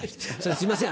すいません